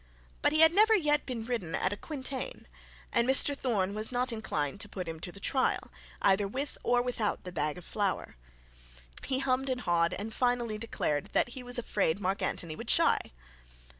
But he had never yet been ridden at a quintain, and Mr Thorne was not inclined to put him to the trial, either with or without the bag of flour. He hummed and hawed, and finally declared that he was afraid Mark Antony would shy.